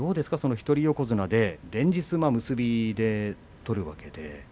一人横綱で連日、結びで取るわけで。